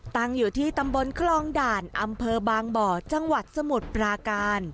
ตั้งอยู่ที่ตำบลคลองด่านอำเภอบางบ่อจังหวัดสมุทรปราการ